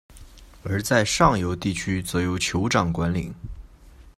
而在上游地区则由酋长管领。